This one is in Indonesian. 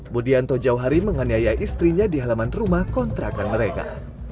budianto jauhari menganiaya istrinya di halaman rumah kontrakan mereka